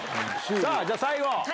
さあ、じゃあ、最後。